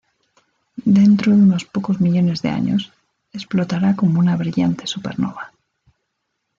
Dentro de unos pocos millones de años, explotará como una brillante supernova.